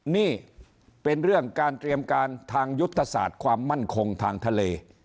นี่เป็นเรื่องการเตรียมการทางยุทธศาสตร์ความมั่นคงทางทะเล